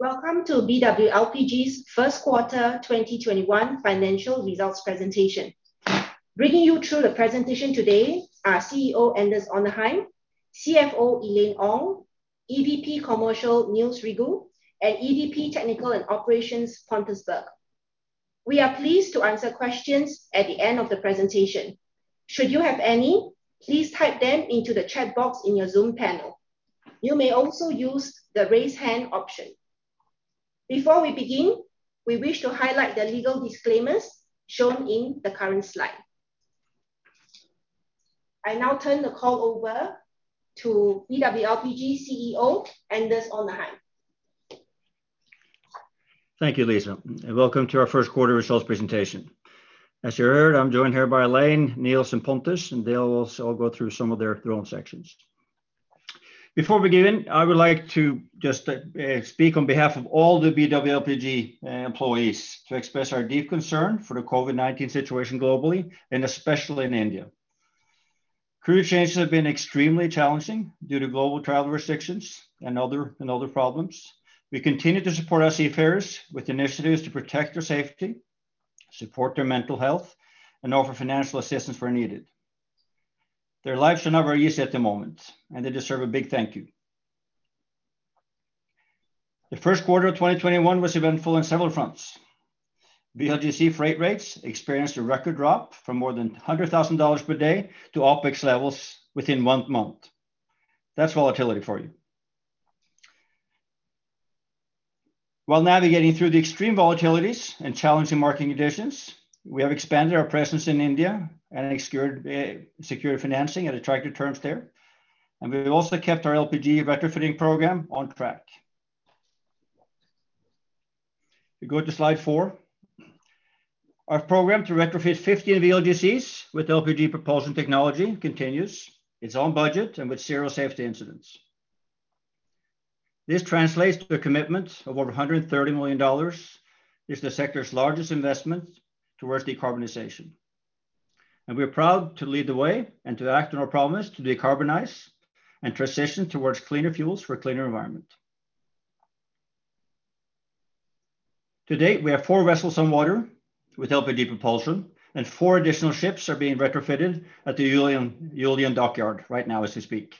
Welcome to BW LPG's first quarter 2021 financial results presentation. Bringing you through the presentation today are CEO Anders Onarheim, CFO Elaine Ong, EVP Commercial Niels Rigault, and EVP Technical & Operations Pontus Berg. We are pleased to answer questions at the end of the presentation. Should you have any, please type them into the chat box in your Zoom panel. You may also use the Raise Hand option. Before we begin, we wish to highlight the legal disclaimers shown in the current slide. I now turn the call over to BW LPG CEO Anders Onarheim. Thank you, Lisa. Welcome to our first quarter results presentation. As you heard, I'm joined here by Elaine, Niels, and Pontus. They will also all go through some of their own sections. Before we begin, I would like to just speak on behalf of all the BW LPG employees to express our deep concern for the COVID-19 situation globally, especially in India. Crew changes have been extremely challenging due to global travel restrictions and other problems. We continue to support our seafarers with initiatives to protect their safety, support their mental health, and offer financial assistance where needed. Their lives are not very easy at the moment. They deserve a big thank you. The first quarter of 2021 was eventful on several fronts. VLGC freight rates experienced a record drop from more than $100,000 per day to OpEx levels within one month. That's volatility for you. While navigating through the extreme volatilities and challenging market conditions, we have expanded our presence in India and secured financing at attractive terms there. We've also kept our LPG retrofitting program on track. We go to slide four. Our program to retrofit 50 VLGCs with LPG propulsion technology continues. It's on budget and with zero safety incidents. This translates to a commitment of $130 million, is the sector's largest investment towards decarbonization. We are proud to lead the way and to act on our promise to decarbonize and transition towards cleaner fuels for a cleaner environment. To date, we have four vessels on water with LPG propulsion, and four additional ships are being retrofitted at the Yiu Lian Dockyards right now as we speak.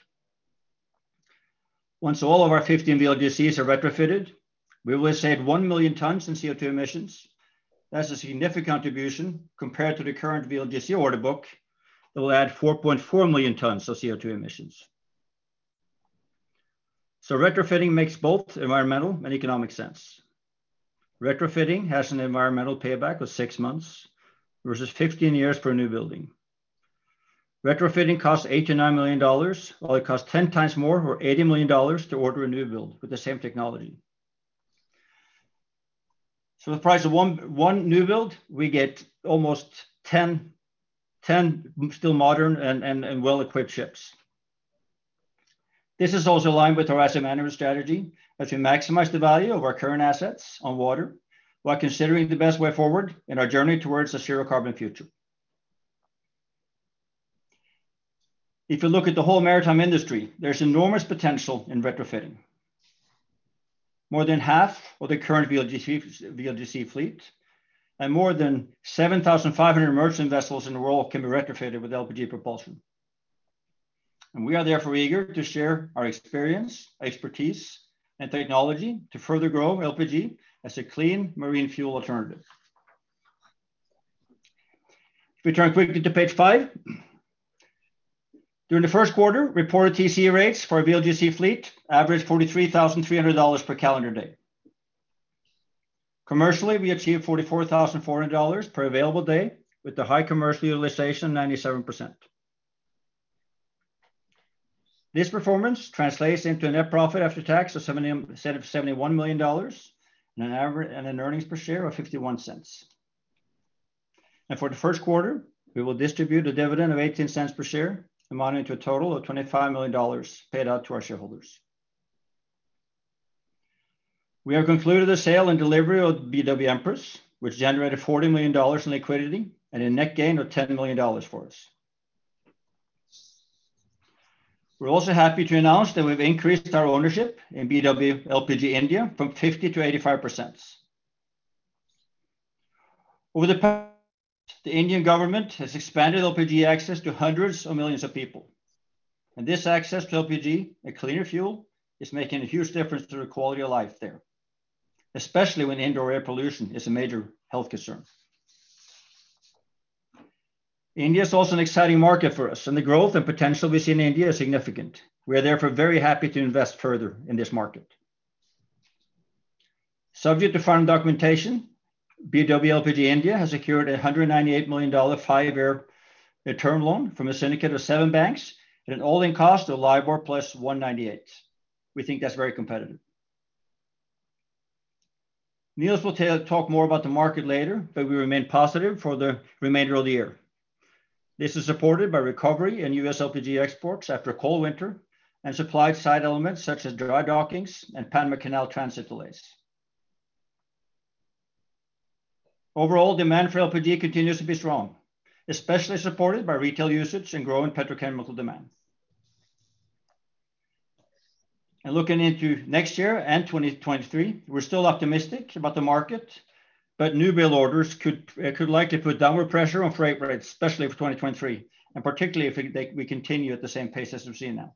Once all of our 50 VLGCs are retrofitted, we will have saved one million tonnes in CO2 emissions. That's a significant contribution compared to the current VLGC order book that will add 4.4 million tons of CO2 emissions. Retrofitting makes both environmental and economic sense. Retrofitting has an environmental payback of six months versus 15 years for a new building. Retrofitting costs $8 million-$9 million, while it costs 10 times more, or $80 million, to order a new build with the same technology. The price of one new build, we get almost 10 still modern and well-equipped ships. This is also in line with our asset management strategy as we maximize the value of our current assets on water while considering the best way forward in our journey towards a zero carbon future. If you look at the whole maritime industry, there's enormous potential in retrofitting. More than half of the current VLGC fleet and more than 7,500 merchant vessels in the world can be retrofitted with LPG propulsion. We are therefore eager to share our experience, expertise, and technology to further grow LPG as a clean marine fuel alternative. If we turn quickly to page five. During the first quarter, reported TC rates for our VLGC fleet averaged $43,300 per calendar day. Commercially, we achieved $44,400 per available day with a high commercial utilization of 97%. This performance translates into a net profit after tax of $71 million and an earnings per share of $0.51. For the first quarter, we will distribute a dividend of $0.18 per share, amounting to a total of $25 million paid out to our shareholders. We have concluded the sale and delivery of BW Empress, which generated $40 million in liquidity and a net gain of $10 million for us. We're also happy to announce that we've increased our ownership in BW LPG India from 50%-85%. Over the past years, the Indian government has expanded LPG access to hundreds of millions of people, This access to LPG, a cleaner fuel, is making a huge difference to the quality of life there, especially when indoor air pollution is a major health concern. India is also an exciting market for us, The growth and potential we see in India is significant. We are therefore very happy to invest further in this market. Subject to final documentation, BW LPG India has secured a $198 million five-year term loan from a syndicate of seven banks at an all-in cost of LIBOR plus 1.98%. We think that's very competitive. Niels will talk more about the market later, but we remain positive for the remainder of the year. This is supported by recovery in U.S. LPG exports after a cold winter and supply side elements such as dry dockings and Panama Canal transit delays. Overall demand for LPG continues to be strong, especially supported by retail usage and growing petrochemical demand. Looking into next year and 2023, we're still optimistic about the market, but new build orders could likely put downward pressure on freight rates, especially for 2023, and particularly if we continue at the same pace as we've seen now.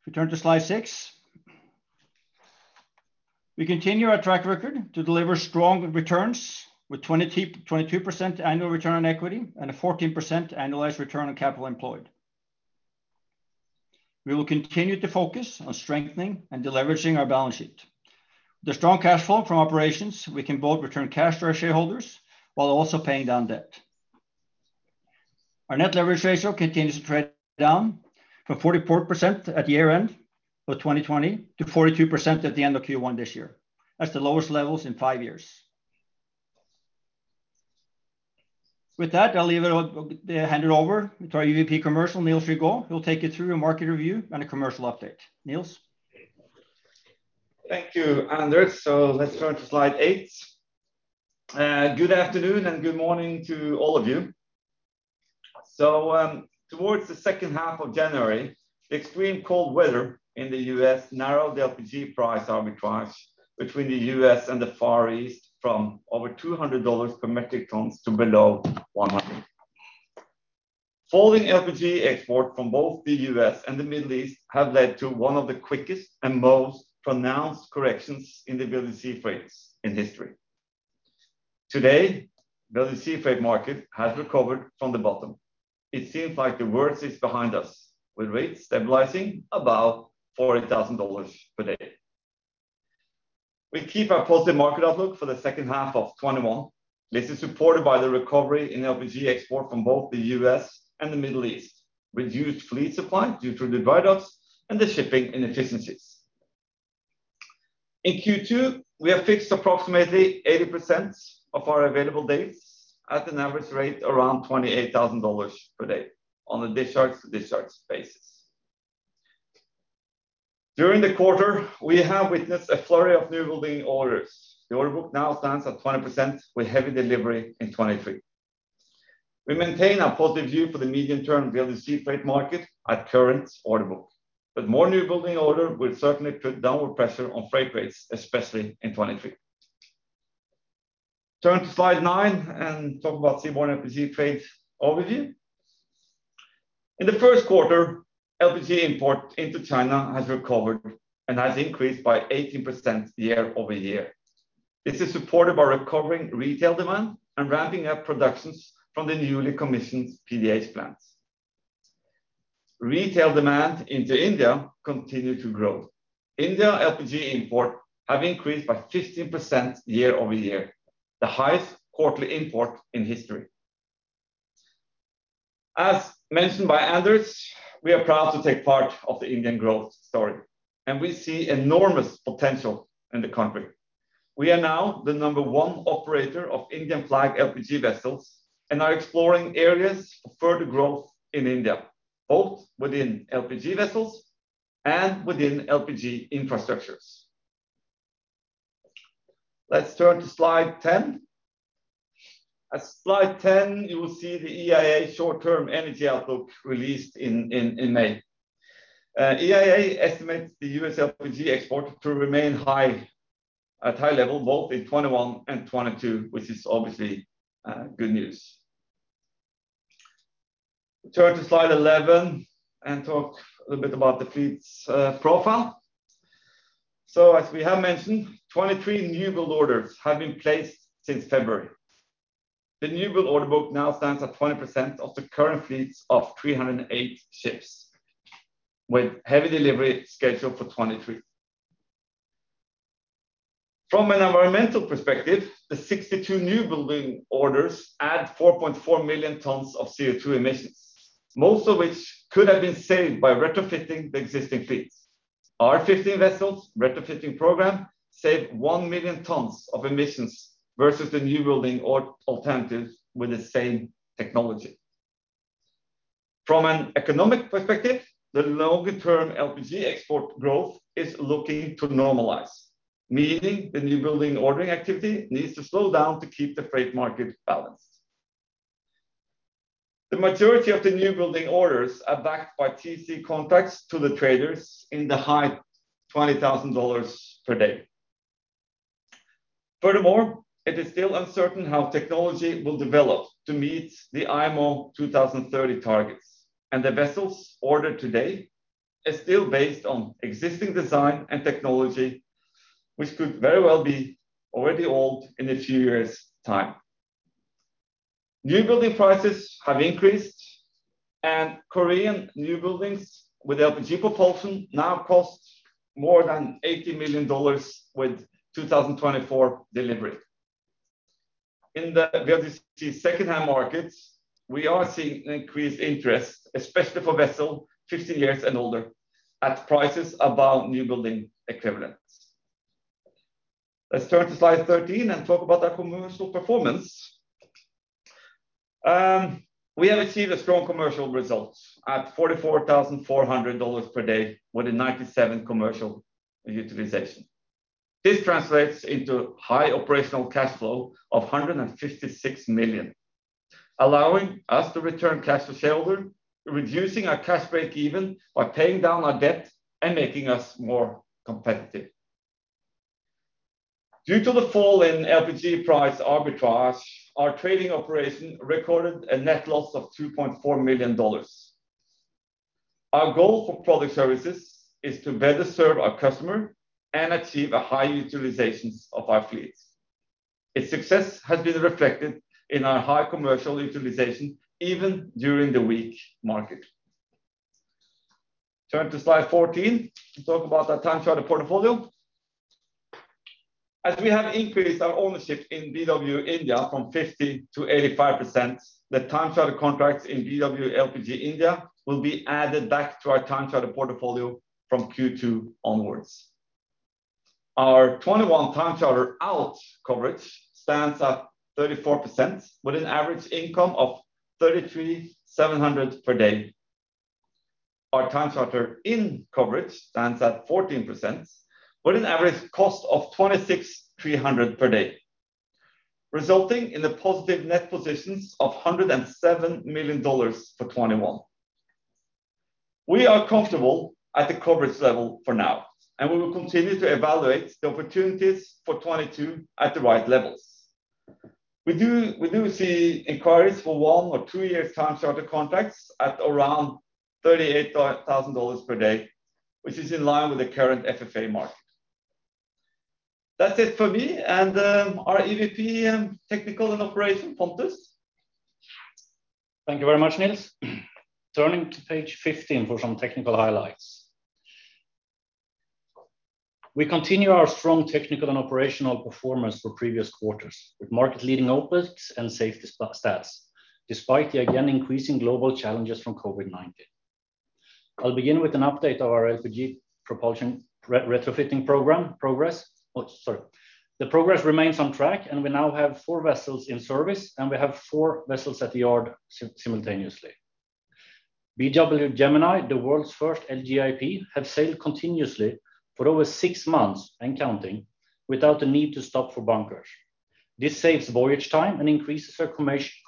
If we turn to slide six. We continue our track record to deliver strong returns with 22% annual return on equity and a 14% annualized return on capital employed. We will continue to focus on strengthening and deleveraging our balance sheet. With the strong cash flow from operations, we can both return cash to our shareholders while also paying down debt. Our net leverage ratio continues to trend down from 44% at year-end of 2020 to 42% at the end of Q1 this year. That's the lowest levels in five years. With that, I'll hand it over to our EVP Commercial, Niels Rigault, who will take you through a market review and a commercial update. Niels? Thank you, Anders. Let's turn to slide eight. Good afternoon and good morning to all of you. Towards the second half of January, the extreme cold weather in the U.S. narrowed the LPG price arbitrage between the U.S. and the Far East from over $200 per metric ton to below $100. Falling LPG export from both the U.S. and the Middle East have led to one of the quickest and most pronounced corrections in the VLGC rates in history. Today, VLGC freight market has recovered from the bottom. It seems like the worst is behind us, with rates stabilizing above $40,000 per day. We keep our positive market outlook for the second half of 2021. This is supported by the recovery in LPG export from both the U.S. and the Middle East, reduced fleet supply due to the write-offs, and the shipping inefficiencies. In Q2, we have fixed approximately 80% of our available dates at an average rate around $28,000 per day on a discharge-to-discharge basis. During the quarter, we have witnessed a flurry of new building orders. The order book now stands at 20% with heavy delivery in 2023. We maintain a positive view for the medium-term VLGC freight market at current order book. More new building orders will certainly put downward pressure on freight rates, especially in 2023. Turn to slide nine and talk about the VLGC freight overview. In the first quarter, LPG import into China has recovered and has increased by 18% year-over-year. This is supported by recovering retail demand and ramping up productions from the newly commissioned PDH plants. Retail demand into India continued to grow. India LPG import have increased by 15% year-over-year, the highest quarterly import in history. As mentioned by Anders, we are proud to take part of the Indian growth story, and we see enormous potential in the country. We are now the number one operator of Indian flag LPG vessels and are exploring areas for further growth in India, both within LPG vessels and within LPG infrastructures. Let's turn to slide 10. At slide 10, you will see the EIA short-term energy outlook released in May. EIA estimates the U.S. LPG export to remain at high level both in 2021 and 2022, which is obviously good news. Turn to slide 11 and talk a little bit about the fleets profile. As we have mentioned, 23 new build orders have been placed since February. The new build order book now stands at 20% of the current fleets of 308 ships, with heavy delivery scheduled for 2023. From an environmental perspective, the 62 new building orders add 4.4 million tons of CO2 emissions, most of which could have been saved by retrofitting the existing fleets. Our 15 vessels retrofitting program saved 1 million tons of emissions versus the new building alternative with the same technology. From an economic perspective, the long-term LPG export growth is looking to normalize, meaning the new building ordering activity needs to slow down to keep the freight market balanced. The majority of the new building orders are backed by TC contracts to the traders in the high $20,000 per day. Furthermore, it is still uncertain how technology will develop to meet the IMO 2030 targets, and the vessels ordered today are still based on existing design and technology, which could very well be already old in a few years time. New building prices have increased, and Korean new buildings with LPG propulsion now cost more than $80 million with 2024 delivery. In the VLGC secondhand markets, we are seeing increased interest, especially for vessels 15 years and older, at prices above new building equivalents. Let's turn to slide 13 and talk about our commercial performance. We have seen strong commercial results at $44,400 per day with a 97% commercial utilization. This translates into high operational cash flow of $156 million, allowing us to return cash to shareholders, reducing our cash break even by paying down our debt and making us more competitive. Due to the fall in LPG price arbitrage, our trading operation recorded a net loss of $2.4 million. Our goal for Product Services is to better serve our customer and achieve a high utilizations of our fleets. Its success has been reflected in our high commercial utilization even during the weak market. Turn to slide 14 to talk about our time charter portfolio. As we have increased our ownership in BW LPG India from 50%-85%, the time charter contracts in BW LPG India will be added back to our time charter portfolio from Q2 onwards. Our 2021 time charter out coverage stands at 34% with an average income of $33,700 per day. Our time charter in coverage stands at 14% with an average cost of $26,300 per day, resulting in a positive net positions of $107 million for 2021. We are comfortable at the coverage level for now, and we will continue to evaluate the opportunities for 2022 at the right levels. We do see inquiries for one or two year time charter contracts at around $38,000 per day, which is in line with the current FFA market. That's it for me and our EVP, Technical & Operations, Pontus Berg. Thank you very much, Niels. Turning to page 15 for some technical highlights. We continue our strong technical and operational performance for previous quarters with market leading OpEx and safety stats, despite the again increasing global challenges from COVID-19. I'll begin with an update of our LPG propulsion retrofitting program progress. The progress remains on track and we now have four vessels in service and we have four vessels at the yard simultaneously. BW Gemini, the world's first LPG, have sailed continuously for over six months and counting without the need to stop for bunkers. This saves voyage time and increases their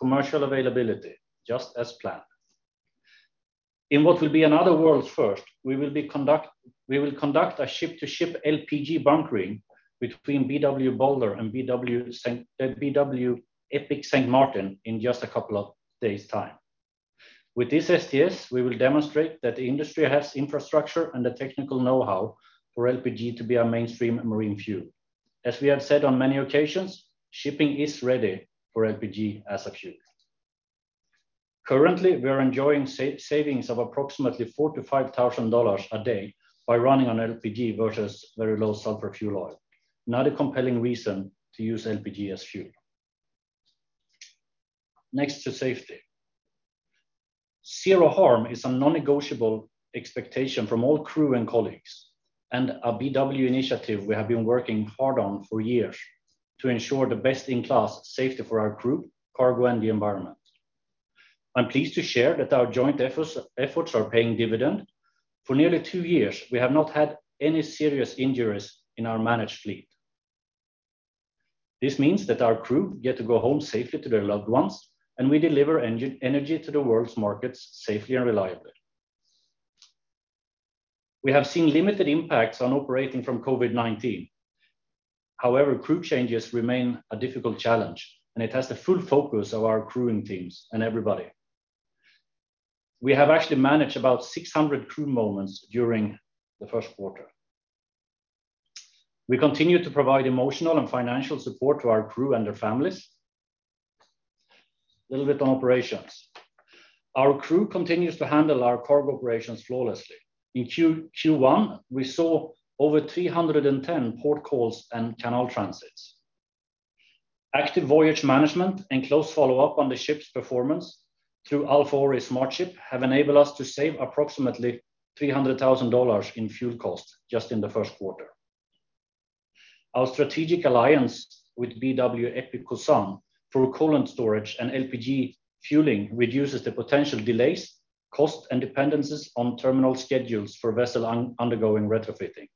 commercial availability just as planned. In what will be another world's first, we will conduct a ship to ship LPG bunkering between BW Balder and BW Epic St. Martin in just a couple of days' time. With this STS, we will demonstrate that the industry has infrastructure and the technical knowhow for LPG to be a mainstream marine fuel. As we have said on many occasions, shipping is ready for LPG as a fuel. Currently, we are enjoying savings of approximately $45,000 a day by running on LPG versus Very Low Sulfur Fuel Oil. Another compelling reason to use LPG as fuel. Next to safety. Zero harm is a non-negotiable expectation from all crew and colleagues and a BW initiative we have been working hard on for years to ensure the best in class safety for our crew, cargo, and the environment. I'm pleased to share that our joint efforts are paying dividend. For nearly two years, we have not had any serious injuries in our managed fleet. This means that our crew get to go home safely to their loved ones and we deliver energy to the world's markets safely and reliably. We have seen limited impacts on operating from COVID-19, crew changes remain a difficult challenge and it has the full focus of our crewing teams and everybody. We have actually managed about 600 crew moments during the first quarter. We continue to provide emotional and financial support to our crew and their families. A little bit on operations. Our crew continues to handle our cargo operations flawlessly. In Q1, we saw over 310 port calls and canal transits. Active voyage management and close follow up on the ship's performance through Alpha Ori SMARTShip have enabled us to save approximately $300,000 in fuel costs just in the first quarter. Our strategic alliance with BW Epic Kosan through cool-down storage and LPG fueling reduces the potential delays, cost and dependencies on terminal schedules for vessel undergoing retrofitting.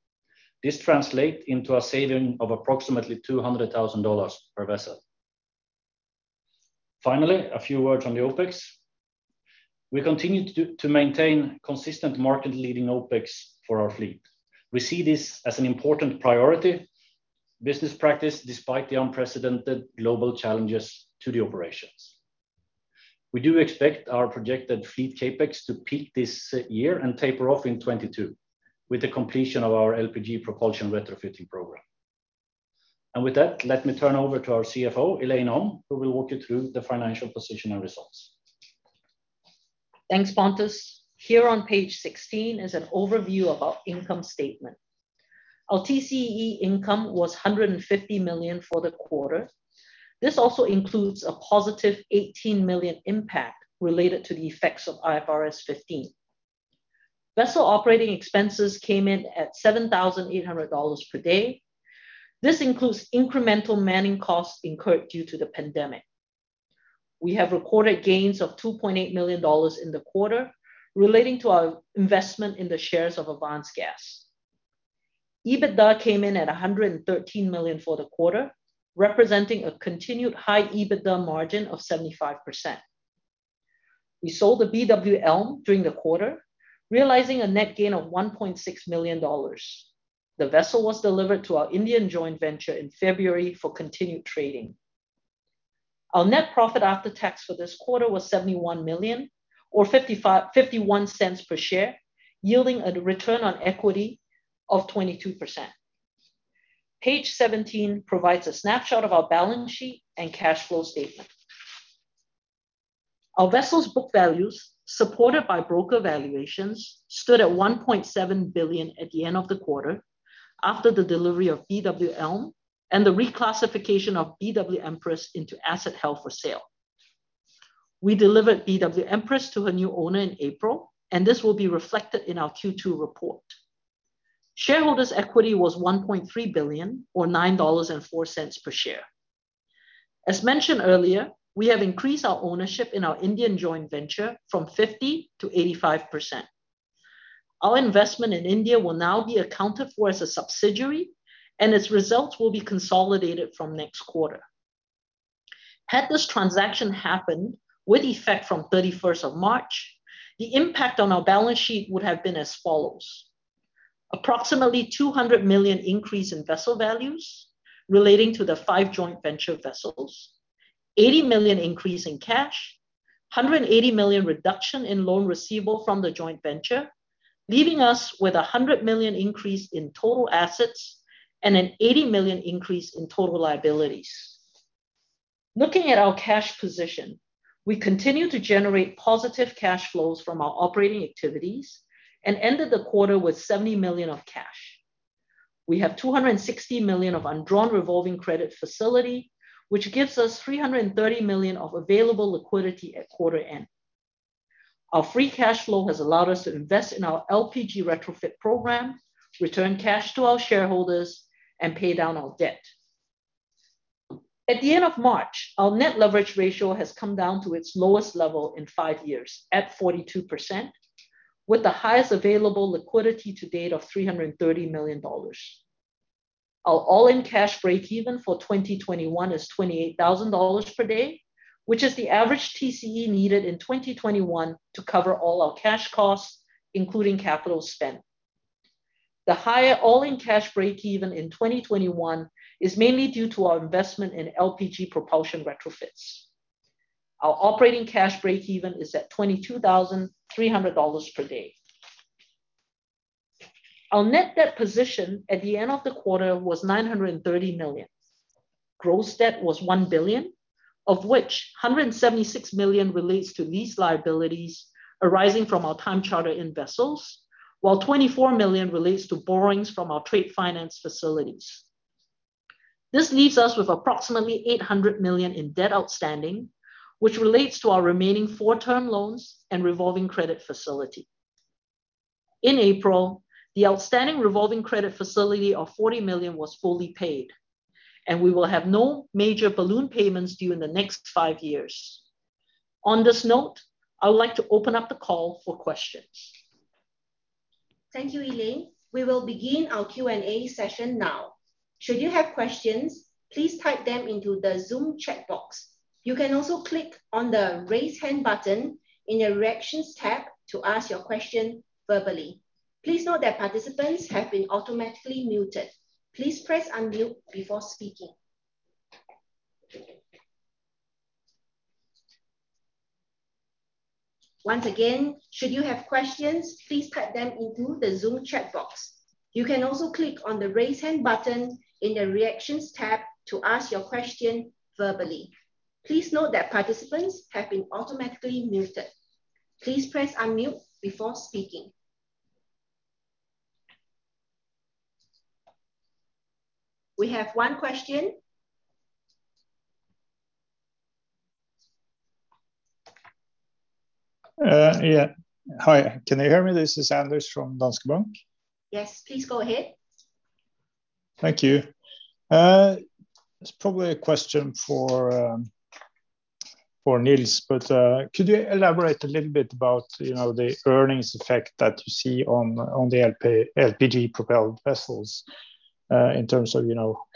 This translate into a saving of approximately $200,000 per vessel. A few words on the OpEx. We continue to maintain consistent market leading OpEx for our fleet. We see this as an important priority business practice despite the unprecedented global challenges to the operations. We do expect our projected fleet CapEx to peak this year and taper off in 2022 with the completion of our LPG propulsion retrofitting program. With that, let me turn over to our CFO, Elaine Ong, who will walk you through the financial position and results. Thanks, Pontus. Here on page 16 is an overview of our income statement. Our TCE income was $150 million for the quarter. This also includes a positive $18 million impact related to the effects of IFRS 15. Vessel operating expenses came in at $7,800 per day. This includes incremental manning costs incurred due to the pandemic. We have recorded gains of $2.8 million in the quarter relating to our investment in the shares of Avance Gas. EBITDA came in at $113 million for the quarter, representing a continued high EBITDA margin of 75%. We sold the BW Elm during the quarter, realizing a net gain of $1.6 million. The vessel was delivered to our Indian joint venture in February for continued trading. Our net profit after tax for this quarter was $71 million or $0.51 per share, yielding a return on equity of 22%. Page 17 provides a snapshot of our balance sheet and cash flow statement. Our vessels' book values, supported by broker valuations, stood at $1.7 billion at the end of the quarter after the delivery of BW Elm and the reclassification of BW Empress into asset held for sale. We delivered BW Empress to the new owner in April. This will be reflected in our Q2 report. Shareholders' equity was $1.3 billion or $9.04 per share. As mentioned earlier, we have increased our ownership in our Indian joint venture from 50%-85%. Our investment in India will now be accounted for as a subsidiary. Its results will be consolidated from next quarter. Had this transaction happened with effect from March 31st, the impact on our balance sheet would have been as follows. Approximately $200 million increase in vessel values relating to the five joint venture vessels, $80 million increase in cash, $180 million reduction in loan receivable from the joint venture, leaving us with $100 million increase in total assets and an $80 million increase in total liabilities. Looking at our cash position, we continue to generate positive cash flows from our operating activities and ended the quarter with $70 million of cash. We have $260 million of undrawn revolving credit facility, which gives us $330 million of available liquidity at quarter end. Our free cash flow has allowed us to invest in our LPG retrofit program, return cash to our shareholders, and pay down our debt. At the end of March, our net leverage ratio has come down to its lowest level in five years at 42%, with the highest available liquidity to date of $330 million. Our all-in cash breakeven for 2021 is $28,000 per day, which is the average TCE needed in 2021 to cover all our cash costs, including capital spend. The higher all-in cash breakeven in 2021 is mainly due to our investment in LPG propulsion retrofits. Our operating cash breakeven is at $22,300 per day. Our net debt position at the end of the quarter was $930 million. Gross debt was $1 billion, of which $176 million relates to lease liabilities arising from our time charter in vessels, while $24 million relates to borrowings from our trade finance facilities. This leaves us with approximately $800 million in debt outstanding, which relates to our remaining four term loans and revolving credit facility. In April, the outstanding revolving credit facility of $40 million was fully paid, and we will have no major balloon payments due in the next five years. On this note, I would like to open up the call for questions. Thank you, Elaine. We will begin our Q&A session now. Should you have questions, please type them into the Zoom chat box. You can also click on the Raise Hand button in the Reactions tab to ask your question verbally. Please note that participants have been automatically muted. Please press unmute before speaking. Once again, should you have questions, please type them into the Zoom chat box. You can also click on the raise hand button in the Reactions tab to ask your question verbally. Please note that participants have been automatically muted. Please press unmute before speaking. We have one question. Yeah. Hi, can you hear me? This is Anders from Danske Bank. Yes, please go ahead. Thank you, it's probably a question for Niels. Could you elaborate a little bit about the earnings effect that you see on the LPG propelled vessels in terms of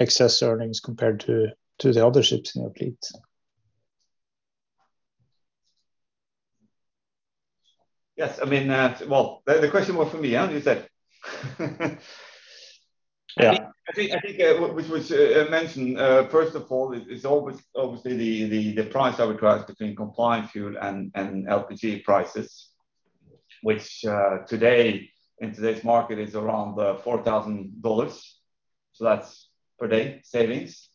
excess earnings compared to the other ships in your fleet? Yes. Well, the question was for me, you said? Yeah. I think which was mentioned, first of all, it's obviously the price arbitrage between compliant fuel and LPG prices, which today, in today's market, is around $4,000. That's per day savings.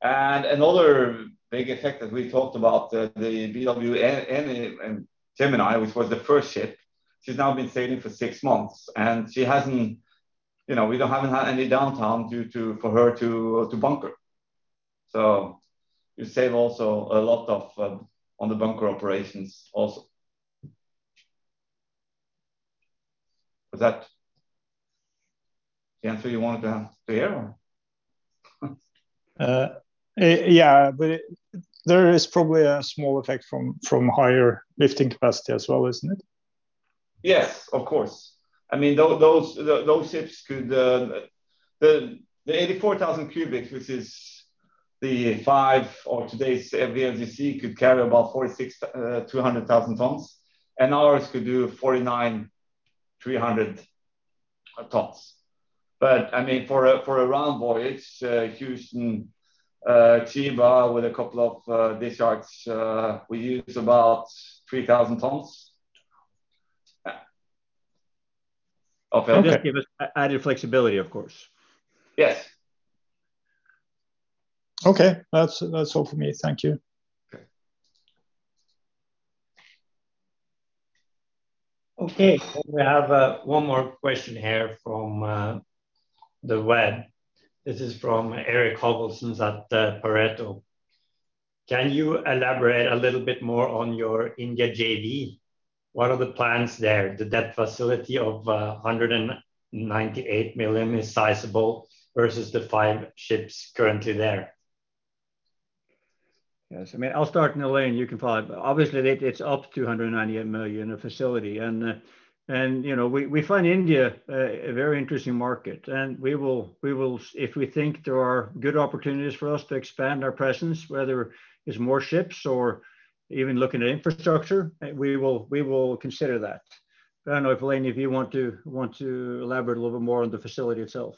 Another big effect that we talked about, the BW Gemini was the first ship. She's now been sailing for six months, and we don't have any downtime for her to bunker. You save also a lot on the bunker operations also. Was that the answer you wanted to hear? Yeah, there is probably a small effect from higher lifting capacity as well, isn't it? Yes, of course. The 84,000 cubic, which is the five or today's VLGC, could carry about 46,200 tons, and ours could do 49,300 tons. For a round voyage, Houston, Chiba, with a couple of discharge, we use about 3,000 tons. Okay. It just gives added flexibility, of course. Yes. Okay. That's all from me. Thank you. Okay. Okay, we have one more question here from the web. This is from Eirik Haavaldsen at Pareto. "Can you elaborate a little bit more on your India JV? What are the plans there? The debt facility of $198 million is sizable versus the five ships currently there?" Yes. I'll start, and Elaine, you can follow. Obviously it's up to $198 million of facility. We find India a very interesting market, and if we think there are good opportunities for us to expand our presence, whether it's more ships or even looking at infrastructure, we will consider that. I don't know if, Elaine, if you want to elaborate a little bit more on the facility itself.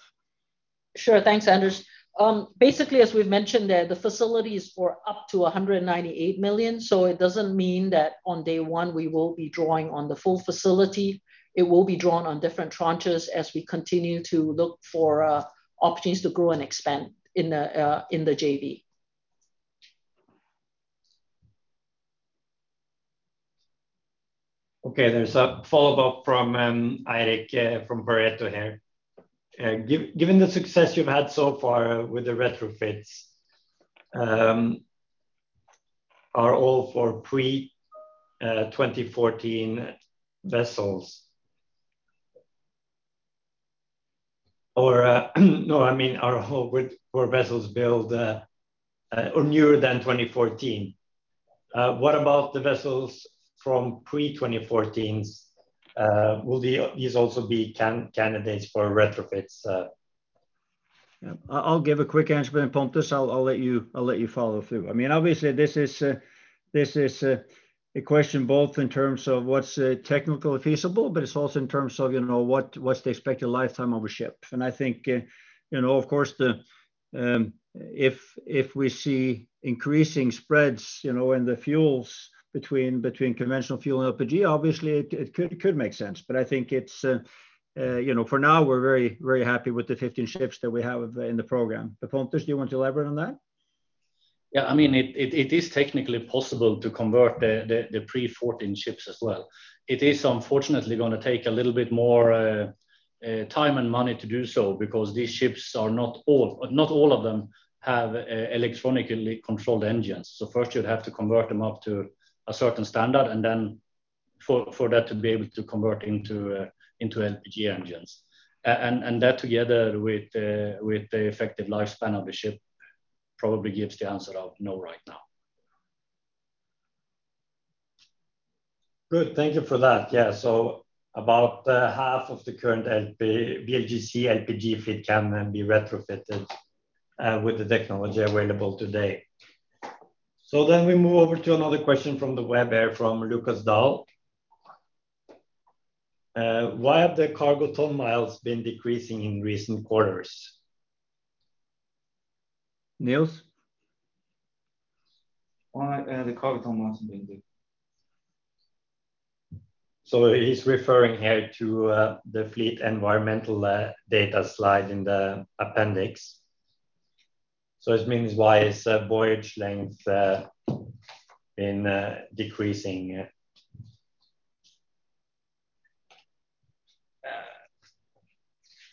Thanks, Anders. As we've mentioned there, the facility is for up to $198 million, it doesn't mean that on day one we will be drawing on the full facility. It will be drawn on different tranches as we continue to look for opportunities to grow and expand in the JV. There's a follow-up from Eirik from Pareto here. "Given the success you've had so far with the retrofits, are all for pre-2014 vessels. I mean, are all for vessels built or newer than 2014. What about the vessels from pre-2014? Will these also be candidates for retrofits?" I'll give a quick answer, but Pontus, I'll let you follow through. Obviously, this is a question both in terms of what's technically feasible, but it's also in terms of what's the expected lifetime of a ship. I think, of course, if we see increasing spreads in the fuels between conventional fuel and LPG, obviously it could make sense. I think for now, we're very happy with the 15 ships that we have in the program. Pontus, do you want to elaborate on that? It is technically possible to convert the pre-14 ships as well. It is unfortunately going to take a little bit more time and money to do so because these ships, not all of them have electronically controlled engines. First you'd have to convert them up to a certain standard, and then for that to be able to convert into LPG engines. That together with the effective lifespan of the ship, probably gives the answer of no right now. Good. Thank you for that. About half of the current VLGC LPG fleet can be retrofitted with the technology available today. We move over to another question from the web here, from Lukas Daul. "Why have the cargo ton miles been decreasing in recent quarters?" Niels? Why have the cargo ton miles been decreasing? He's referring here to the fleet environmental data slide in the appendix. It means why is voyage length been decreasing?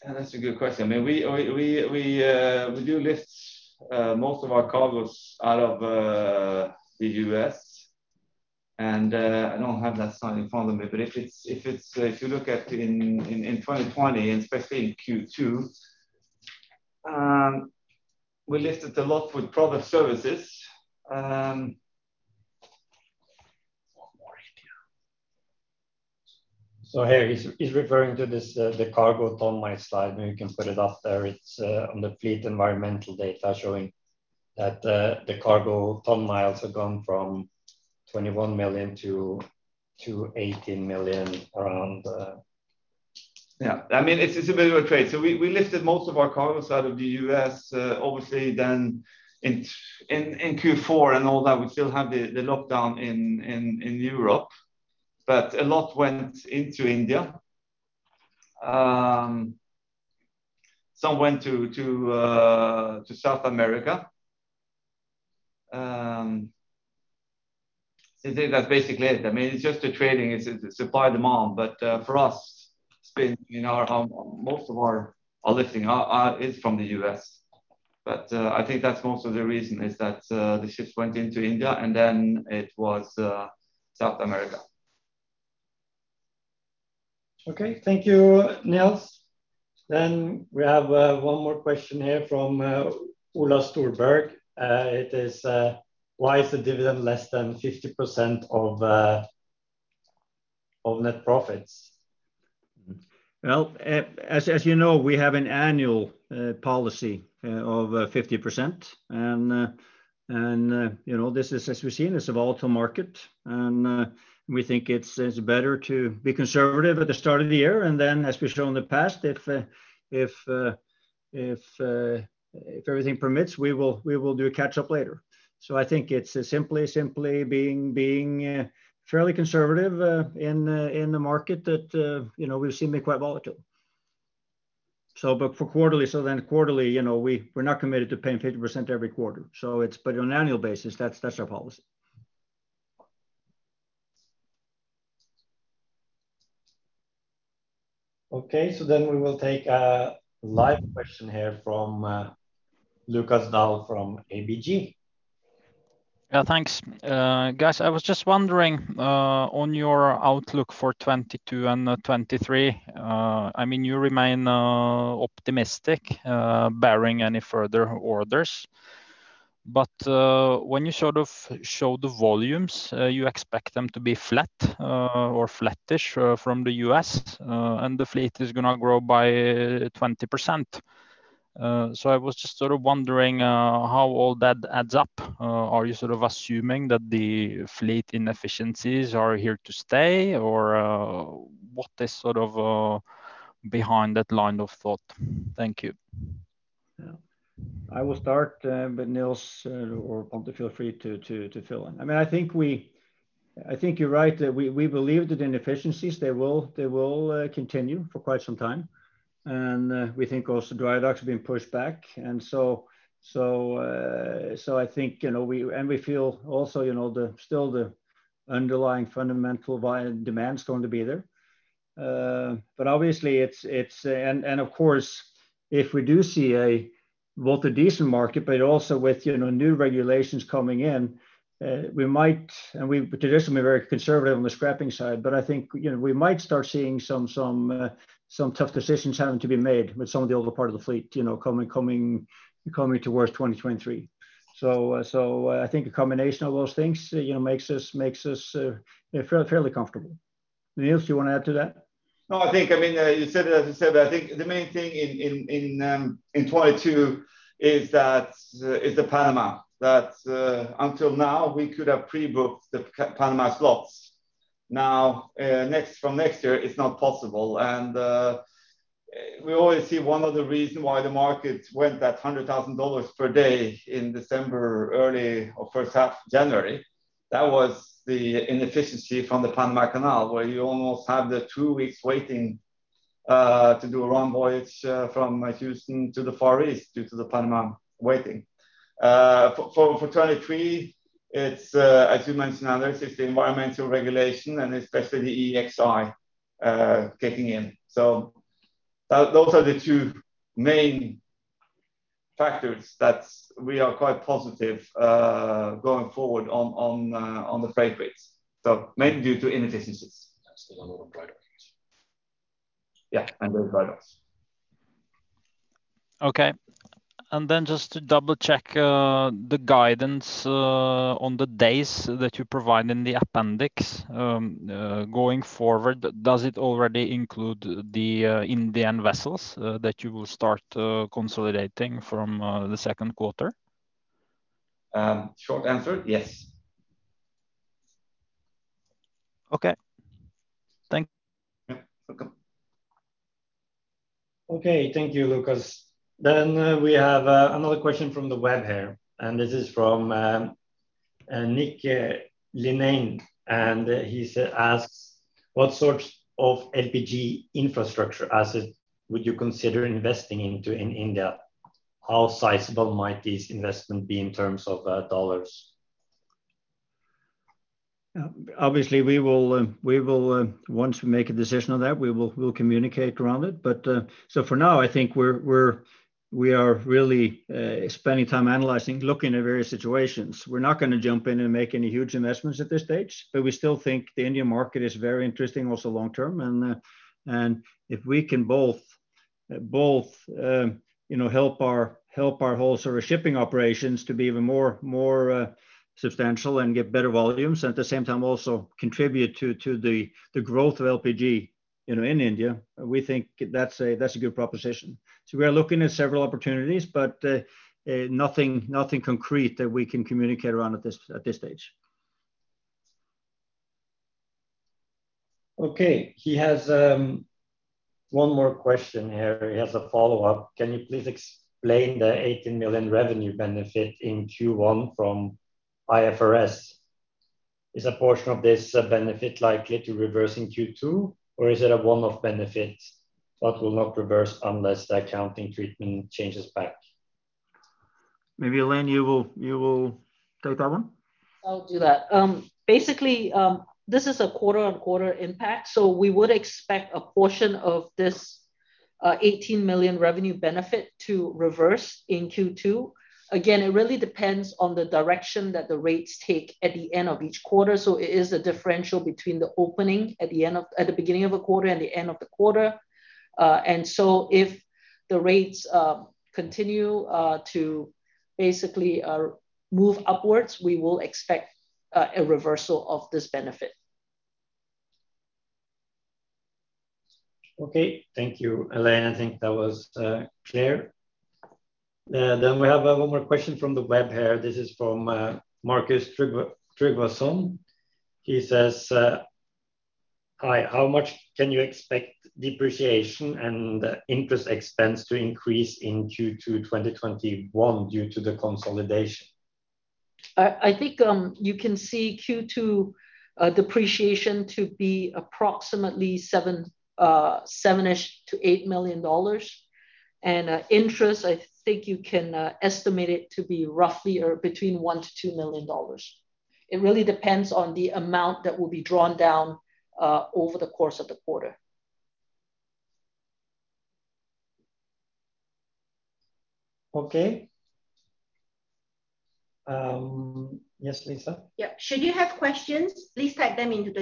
That's a good question. We do lift most of our cargoes out of the U.S. I don't have that slide in front of me. If you look at in 2020, especially in Q2, we lifted a lot with Product Services. He's referring to this, the cargo ton mile slide. Maybe you can put it up there. It's on the fleet environmental data showing that the cargo ton miles have gone from 21 million-18 million around. Yeah. It's a bit of a trade. We lifted most of our cargos out of the U.S. Obviously, then in Q4 and all that, we still have the lockdown in Europe, but a lot went into India. Some went to South America. I think that's basically it. It's just the trading is supply and demand, but for us, most of our lifting is from the U.S. I think that's also the reason is that the ships went into India, and then it was South America. Okay, thank you, Niels. We have one more question here from Ola Storberg. It is, "Why is the dividend less than 50% of net profits?" Well, as you know, we have an annual policy of 50%. This is, as we see, this is a volatile market, and we think it's better to be conservative at the start of the year. As we've shown in the past, if everything permits, we will do a catch-up later. I think it's simply being fairly conservative in the market that we've seen be quite volatile. For quarterly, we're not committed to paying 50% every quarter. On an annual basis, that's our policy. Okay. We will take a live question here from Lukas Daul from ABG. Yeah, thanks. Guys, I was just wondering, on your outlook for 2022 and 2023, you remain optimistic, barring any further orders. When you show the volumes, you expect them to be flat or flattish from the U.S., and the fleet is going to grow by 20%. I was just wondering how all that adds up. Are you assuming that the fleet inefficiencies are here to stay, or what is behind that line of thought? Thank you. Yeah. I will start, but Niels or Pontus, feel free to fill in. I think you're right that we believe that inefficiencies, they will continue for quite some time. We think also drydock's been pushed back, and we feel also still the underlying fundamental demand is going to be there. Of course, if we do see both volatile and decent market, but also with new regulations coming in, we traditionally are very conservative on the scrapping side, but I think we might start seeing some tough decisions having to be made with some of the older part of the fleet coming towards 2023. I think a combination of those things makes us feel fairly comfortable. Niels, you want to add to that? I think you said it. I think the main thing in Q2 is the Panama, that until now we could have pre-booked the Panama slots. From next year, it's not possible. We always see one of the reasons why the market went that $100,000 per day in December early or first half of January, that was the inefficiency from the Panama Canal, where you almost had two weeks waiting to do a round voyage from Houston to the Far East due to the Panama waiting. For 2023, as you mentioned, it's the environmental regulation and especially the EEXI kicking in. Those are the two main factors that we are quite positive going forward on the freight rates. Mainly due to inefficiencies. Low products. Yeah, low products. Okay. Just to double-check the guidance on the days that you provide in the appendix. Going forward, does it already include the Indian vessels that you will start consolidating from the second quarter? Short answer, yes. Okay, thank you. You're welcome. Okay. Thank you, Lukas. We have another question from the web here, and this is from Nick, and he asks, "What sort of LPG infrastructure asset would you consider investing into in India? How sizable might this investment be in terms of dollars?" Once we make a decision on that, we'll communicate around it. For now, I think we are really spending time analyzing, looking at various situations. We're not going to jump in and make any huge investments at this stage, we still think the India market is very interesting also long term. If we can both help our whole shipping operations to be even more substantial and get better volumes, at the same time also contribute to the growth of LPG in India, we think that's a good proposition. We are looking at several opportunities, nothing concrete that we can communicate around at this stage. Okay. He has one more question here. He has a follow-up. "Can you please explain the $18 million revenue benefit in Q1 from IFRS? Is a portion of this benefit likely to reverse in Q2, or is it a one-off benefit but will not reverse unless the accounting treatment changes back?" Maybe Elaine, you will take that one? I'll do that. Basically, this is a quarter-on-quarter impact, we would expect a portion of this $18 million revenue benefit to reverse in Q2. Again, it really depends on the direction that the rates take at the end of each quarter. It is a differential between the opening at the beginning of a quarter and the end of the quarter. If the rates continue to basically move upwards, we will expect a reversal of this benefit. Okay. Thank you, Elaine. I think that was clear. We have one more question from the web here. This is from Markus Tryggvason. He says, "Hi. How much can you expect depreciation and interest expense to increase in Q2 2021 due to the consolidation? I think you can see Q2 depreciation to be approximately $7 million-$8 million. Interest, I think you can estimate it to be roughly between $1 million-$2 million. It really depends on the amount that will be drawn down over the course of the quarter. Okay. Yes, Lisa? Yep. Should you have questions, please type them into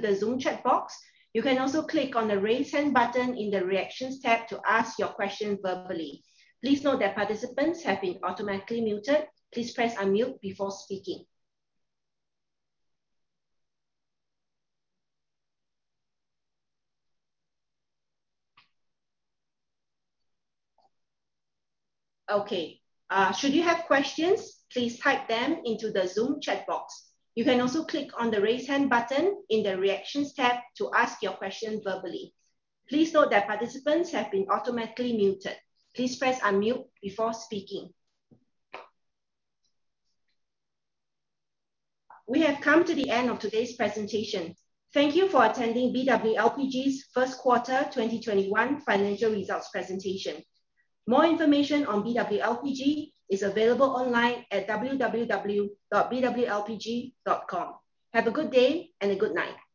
the Zoom chat box. You can also click on the Raise Hand button in the reactions tab to ask your question verbally. Please note that participants have been automatically muted. Please press unmute before speaking. Okay. Should you have questions, please type them into the Zoom chat box. You can also click on the Raise Hand button in the reactions tab to ask your question verbally. Please note that participants have been automatically muted. Please press unmute before speaking. We have come to the end of today's presentation. Thank you for attending BW LPG's first quarter 2021 financial results presentation. More information on BW LPG is available online at www.bwlpg.com. Have a good day and a good night.